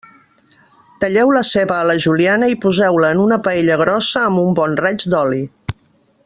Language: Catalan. Talleu la ceba a la juliana i poseu-la en una paella grossa amb un bon raig d'oli.